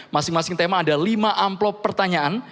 masing masing tema ada lima amplop pertanyaan